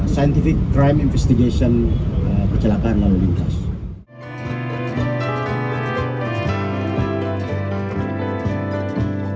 scientific crime investigation percelakaan lawan jalan jalan ini